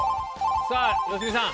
さあ良純さん！